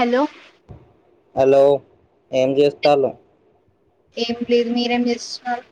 Hello hello ఏం చే [unintelligible] ఏం లేదు మీరేం చేస్తున్నారు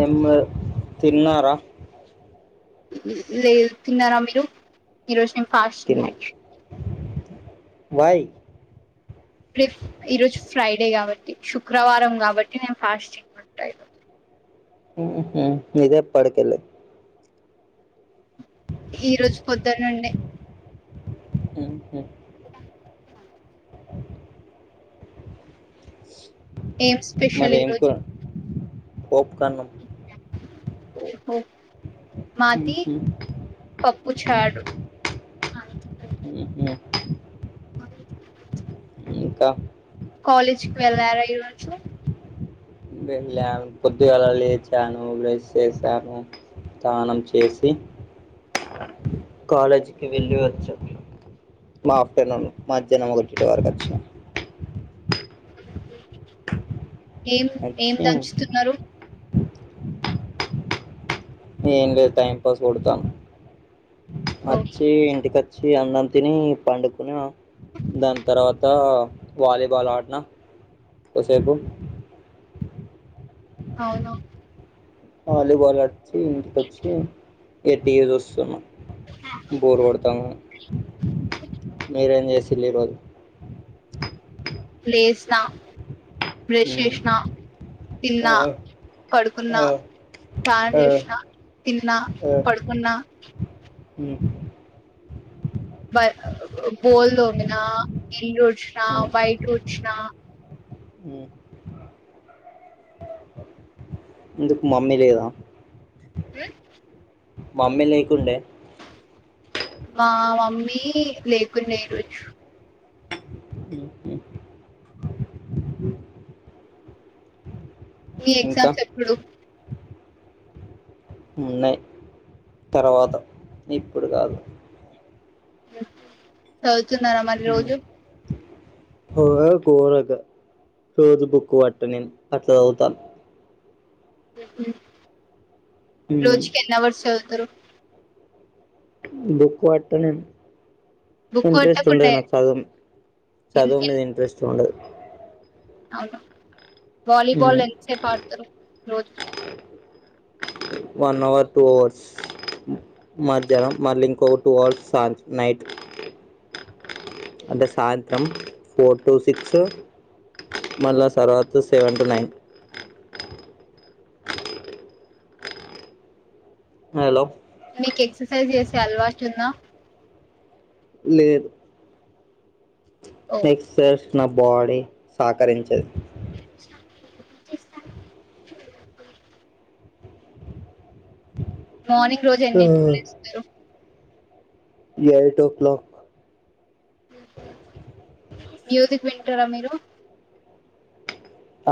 ఏం లేదు తిన్నారా లేదు తిన్నారా మీరు ఈరోజు మేము తిన్ [unintelligible] వై యాక్చువల్లీ ఈరోజు ఫ్రైడే కాబట్టి శుక్రవారం కాబట్టి నేను ఫాస్ట్ ఉంట ఈ రోజు ఇదే ఎప్పడి కల్లే ఈ రోజు పొద్దున్న నుండే హు హు ఏం స్పెషల్ మరి ఏం ఈరోజు కూర [unintelligible] ఓహో మాది [unintelligible] పొప్పు చారు ఇంక కాలేజ్కి వెళ్లారా ఈరోజు వెళ్ళాను పొద్దుగాల లేచాను బ్రష్ చేసాను స్నానం చేసి కాలేజీకి వెళ్ళి వచ్చ మా ఆఫ్టర్నూన్ మధ్యాహ్నం [unintelligible] వరకొచ్చిన ఏం ఏం వచ్చి దంచుతున్నారు ఏం లేదు టైం పాస్ కొడతాను ఓ వచ్చి ఇంటి కొచ్చి అన్నం తిని పండుకున దాని తర్వాత వాలీబాల్ ఆడిన కోసేపు [inaudible] అవున వాలీబాల్ [unintelligible] ఇంటికి వచ్చి ఇగ టీవి చూస్తున్న బోరు క కొడతంది అని మీరేం చేస్ [unintelligible] ఈరోజు లేస్నా బ్రెష్ మ్మ్. చేసిన ఆ తిన్నా పడుకున్నా ఆ స్నానం ఆ చేసిన తిన్నా పడుకున్నా హు [unintelligible] ఇల్లు వుడ్చిన మ్మ్. బైట వుడ్చిన మ్మ్. ఎందుకు మమ్మీ లేదా హు మమ్మీ లేకుండే మా మమ్మీ లేకునే హు హు మీ ఇంకా ఎగ్జామ్స్ ఎప్పుడు ఉన్నాయి తర్వాత ఇప్పుడు కాదు చదువుతున్నారా మరి మ్మ్. రోజు [unintelligible] ఉమ్ రోజుకి ఎన్ని అవర్స్ చదుతరు బుక్ వట్ట నేన్ బుక్ ఇంట్రెస్ట్ కొట్టకుండా ఉండదు నాకు సదం చదువు మీద ఇంట్రెస్ట్ ఉండదు. అవున వాలీబాల్ ఉమ్ ఎంత సేప్ ఆడ్తరు రోజు వన్ అవర్ టూ అవర్స్ మధ్యానం మళ్ళీ ఇంకో టూ అవర్స్ సా నైట్ అంటే సాయంత్రం ఫోర్ టు సిక్స్ మళ్ళ తర్వాత సెవెన్ టు నైన్ హలో మీక్ ఎక్సర్సైజ్ చేసే అలవాటుందా? లేదు. ఓ ఎక్సస్ నా బాడీ సహకరించది. చేస్తాను. మార్నింగ్ రోజు ఎన్నీటి లేస్తరు. ఎయిటో క్లాక్ మ్యూజిక్ వింటరా మీరు?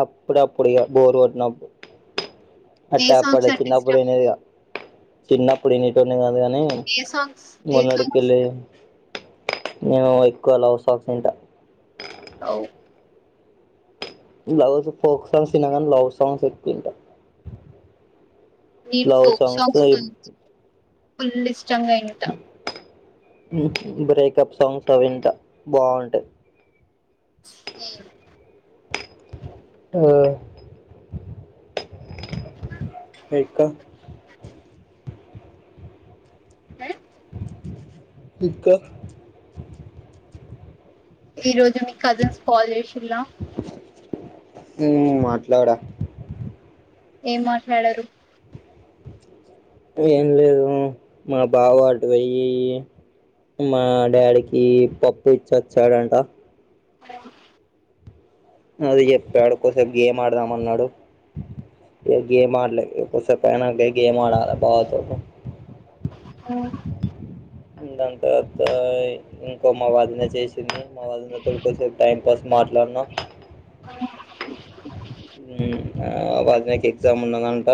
అప్పుడప్పుడ్ ఇగ బోర్ కొట్నప్పుడు ఏ అట్టా అప్పుడ సాంగ్స్ అంటే చిన్నప్పుడు ఇష్టం ఇనేదిగా చిన్నప్పుడు ఎన్నిటోడ్ని కాదు గనీ ఏ సాంగ్స్ ఏ మొన్నడు సాంగ్స్ కెళ్ళి నేను ఎక్కువ లవ్ సాంగ్స్ వింట అవు లవ్స్ ఫోక్ సాంగ్స్ ఇన కనీ లవ్ సాంగ్స్ ఎక్కు ఇంట ఈ లవ్ ఫోక్ సాంగ్స్ ఫుల్ ఇష్టంగ ఇంట. బ్రేకప్ సాంగ్తో వింత బాగుంటది నేను ఆ రేఖ ఆ కుక్క ఈ రోజు మీ కజిన్స్ కాల్ చేసింల మ్ మాట్లాడా ఏం మాట్లాడారు? ఏం లేదు మా బావ అటు పొయ్యి మా డాడీకి పప్పు ఇచ్చి వచ్చాడంట. అది చెప్పాడు కొద్సేప్ గేమ్ ఆడదాం అన్నాడు. ఏ గేమ్ ఆడ్లే ఇగ కొద్సేప్ అయినాక గేమ్ ఆడాలె బావతో అవున ఇందాక ఇంకో మా వదిన చేసింది మా వదినతోటి కొద్సేపు టైం పాస్ మాట్లాడ్న అవున మ్ ఆ వదినకి ఎగ్జామ్ ఉన్నదంట.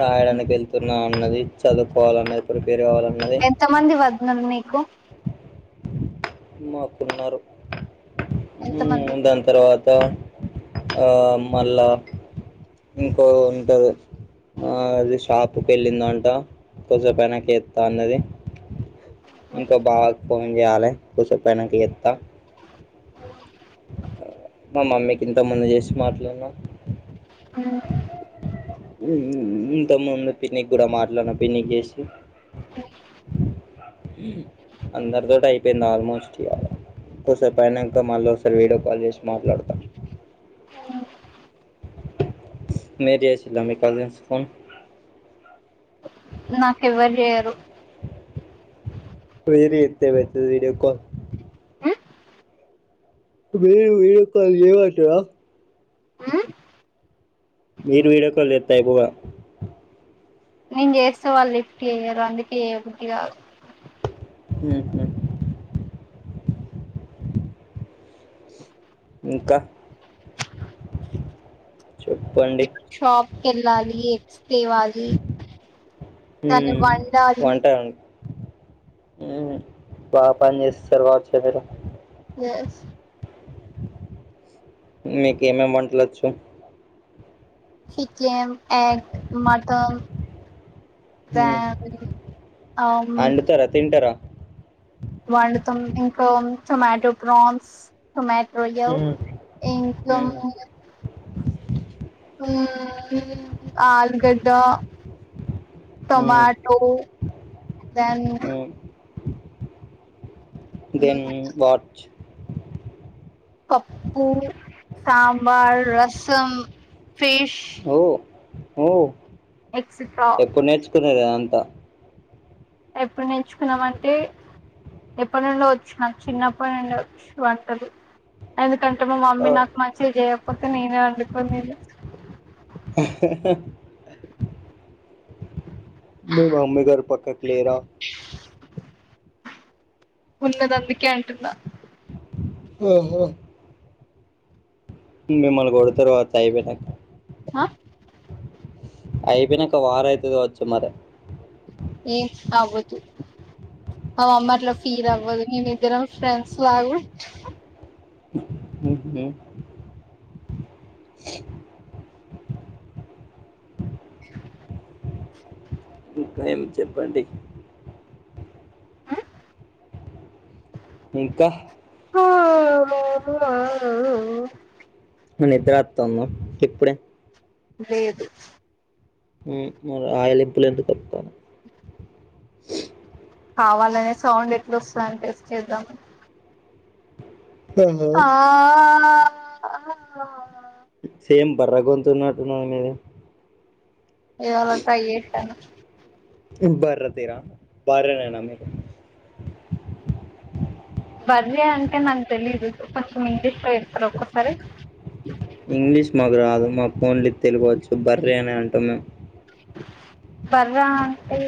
రాయడానిక్ వెళ్తున్నా అన్నది. చదువుకోవాలన్నది ప్రిపేర్ కావాలన్నది ఎంతమంది వదినల్ మీకు మాకున్నారు. ఎంతమంది మ్ దాన్ తర్వాత్ త్ ఆ మళ్ళా ఇంకోరు ఉంటరు ఆ అది షాప్కి వెళ్ళిందంట కొద్ధిసేపైనంక ఎత్త అన్నది ఇంక బావక్ ఫోన్ చేయాలే కోసేపైనక చేత్త మా మమ్మీకి ఇంత ముందు చేసి మాట్లాడినాం ఇంతకు ముందుకి పిన్నికి కూడా మాట్లాడిన పిన్నికి చేసి అందరితోటి అయిపోయింది ఆల్మోస్ట్ ఇయ్యల కోసేపైనాంక మళ్ళోసారి విడియో కాల్ చేసి మాట్లాడుతా మీరు చేసిల్ల మీ కజన్స్ కు ఫోన్ నాకేవ్వరు చెయరు మీరు చేతే ఏమైతది వీడియోకల్ మీరు వీడియోకాల్ చేయమంటవా ఆ మీీరు వీడియో కాల్ చేతే అయిపోవుగా నేను చేస్తె వాళ్ళు లిఫ్ట్ చెయ్యరు అందుకే చేయబుద్ధి కదు మ్ హు ఇంకా చెప్పండి షాప్కెల్లాలి ఎగ్స్ తేవాలి దాన్ని వండాలీ మ్ బా పని చేస్తారు కావచ్చు మీరు ఎస్ మీకు ఎం ఎం వంటలోచ్చు చికెన్ ఎగ్ మటన్ మ్మ్. ఫ్యామిలీ అం వండుతారా తింటారా వండుతం ఇంకొంచం ఆటొ ప్రాన్స్ టొమాటో యో మ్మ్. ఇంక మ్మ్. ఆలుగడ్డ మ్మ్. టోమాటో దెన్ దేన్ వాట్ పప్పు సాంబార్ రసం ఫిష్ మ్ ఎక్సెట్రా ఎప్పుడు నేర్చుకున్నాది అది అంతా ఎప్పుడు నేర్చుకున్నామంటే ఎప్పటి నుండో వచ్చు నాకు చిన్నప్పటి నుండే వచ్చు వంటలు ఎందు కంటే మా మమ్మీ నాకు మంచిగా చేయకపోతే నేనే వండుకొని తినేది మీ మామ్మి గారు పక్కకు లేరా ఉన్నదందుకే అంటున్న ఓహో మిమ్మల్ని కొడుతరు కావచ్చు అయిపోయినంక ఆ అయిపోయినంక వార్ అయితది కావచ్చు మరే ఎం అవ్వదు మా మామ్మి అట్ల ఫీల్ అవ్వదు మేనిద్దరం ఫ్రెండ్స్ లాగు మ్ హు ఇంకా ఏం చెప్పండి ఇంకా హ ఆ నిద్ర అతుంద ఇప్పుడే లేదు మరి ఆయలింపులు ఎందుకతానై కావాలనే సౌండ్ ఎట్లా వస్తుందని టేస్ట్ చేద్దాం ఆహా ఆ సేమ్ బర్రె గొంతున్నట్టు ఉన్నది నీది ఇవళ ట్రై చేస్తాను సేమ్ బర్రె తీరా బారనేనా మీరూ అద్య అంటే నాకు తెలీదు కొంచెం ఇంగ్లీషులో చెప్తారా ఒక్కసారి ఇంగ్లీష్ మాకు రాదు మాకు ఓన్లి తెలుగు వచ్చు బర్రీ అని అంటా మేము బర్ర అంటే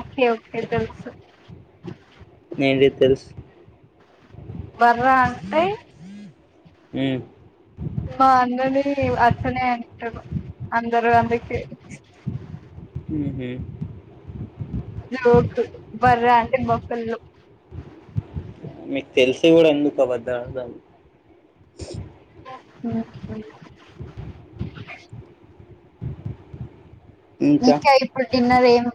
ఓకే ఓకే తెలుసు ఏంటి తెలుసు బర్ర అంటే ఉమ్ మా అందరి అట్లనే అంటారు అందరు అందుకే హ్మ్ జోక్ బర్ర అంటే మొసళ్ళు మీకు తెలిసి కూడా ఎందుకు అబద్ధాలు ఆడుతల్లు ఉహూ ఇంకా ఇప్పుడు డిన్నర్ ఏం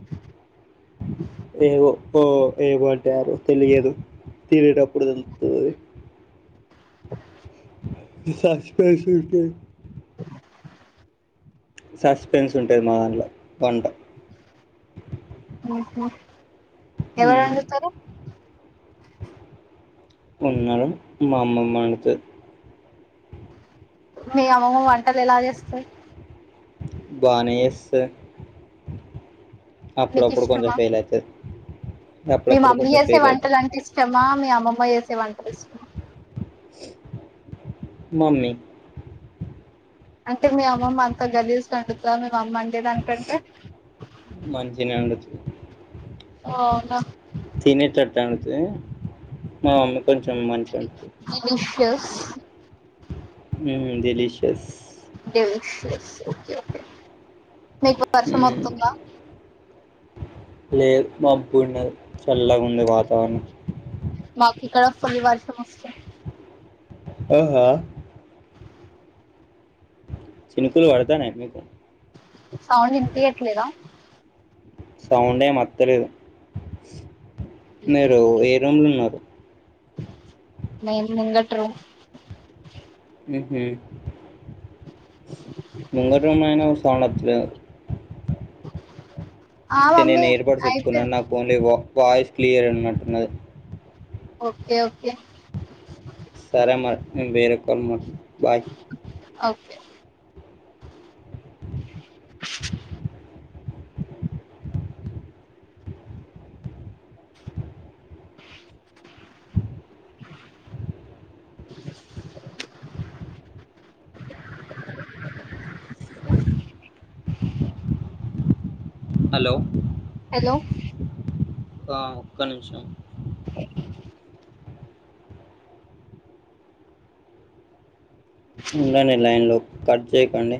ఏవు ఓ ఏమంటారు తెలియదు తినేటప్పుడు తెలుతది అది [inaudible] సస్పెన్స్ ఉంటది సస్పెన్స్ ఉంటుది మా దాంట్ల వన్ ఆహా ఎవరు వండుతారు ఉన్నారూ మా అమ్మమ్మ అండుతది మీ అమ్మమ్మ వంటలు ఎలా చేస్తాది బానే చేస్తది మీకు అప్పుడప్పుడు కొంచెం ఇష్టమా ఫెయిల్ అవుతది మీ మమ్మీ చేసే వంటలు అయితది అంటే ఇష్టమా మీ అమ్మమ్మ చేసే వంటలు ఇష్టమా మమ్మీ అంటే మీ అమ్మమ్మ అంత గలీస్ అండుతాద మా అమ్మ వండే దానికంటే మంచిగనే వండుతది అవునా మంచిగానే అండుతది మా మమ్మీ కొంచెం వండుతది delicious um delicious delicious okay okay మీకు వర్షం ఉమ్ అతుంద లేదు మబ్బున్నది చల్లగా ఉంది వాతావరణం పరివార్ సమస్యా అహా చిన్కులు పడతానాయా మీకు అవును వినిపియట్లేదా సౌండేమ్ అత్తలేదు మీరు ఏ రూమ్లు ఉన్నారు నేను ముకట్రు మ్మ్ హ్మ్ ముంగటా రూమ్ అయినా సౌండ్ వచ్చిది [inaudible] ఇతె మమ్మీ నేను ఇయర్బట్స్ ఎట్టుకున్నా అయిపోయింది నా ఫోన్ లో ఇవ్వక్కా వాయిస్ క్లియర్ ఉన్నట్టున్నది ఓకే ఓకే సరే మరి నేను వేరే కాల్ మాట్లాడతా బాయ్ ఒకే హలో హలో ఆ ఒక్క నిమిషం ఉండండి లైన్లో కట్ చేయకండి